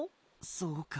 そうか。